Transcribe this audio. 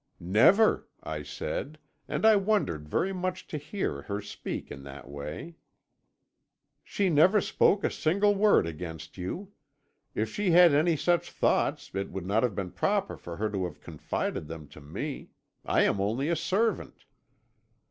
"'Never,' I said, and I wondered very much to hear her speak in that way. 'She never spoke a single word against you. If she had any such thoughts it would not have been proper for her to have confided them to me. I am only a servant.'